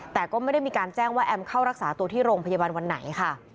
แต่ก็ไม่ได้มีการแจ้งว่าแอมเข้ารักษาตัวที่โรงพยาบาลวันไหนค่ะ